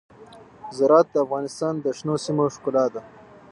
زراعت د افغانستان د شنو سیمو ښکلا ده.